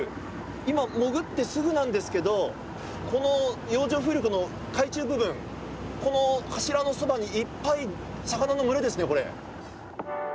今、潜ってすぐなんですけどこの洋上風力の海中部分この柱のそばにいっぱい魚の群れですね、これ。